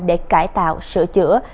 để cải tạo sửa chữa